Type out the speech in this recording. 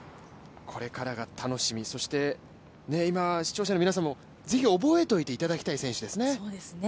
これからが楽しみ、今、視聴者の皆さんもぜひ覚えておいていただきたい選手ですね。